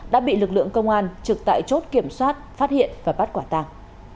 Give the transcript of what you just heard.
đã bị lực lượng công an trực tại chốt kiểm soát phát hiện và bắt quả tàng